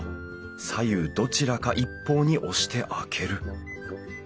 左右どちらか一方に押して開ける。